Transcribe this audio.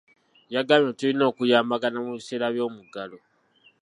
Yagambye tulina okuyambagana mu biseera by'omuggalo.